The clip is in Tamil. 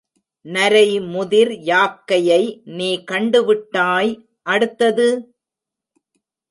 நரைமுதிர் யாக்கையை நீ கண்டு விட்டாய் அடுத்தது?